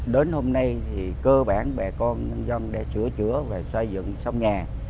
đến hôm nay thì cơ bản bà con nhân dân đã sửa chữa và xây dựng xong nhà